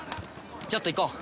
ちょっと行こう！